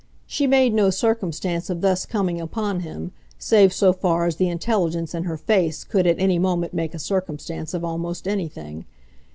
She made no circumstance of thus coming upon him, save so far as the intelligence in her face could at any moment make a circumstance of almost anything.